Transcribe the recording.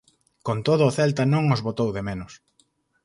Con todo o Celta non os botou de menos.